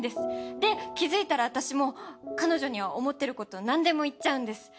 で気付いたら私も彼女には思ってることなんでも言っちゃうんです。